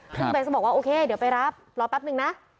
ซึ่งเบสก็บอกว่าโอเคเดี๋ยวไปรับรอแป๊บนึงนะ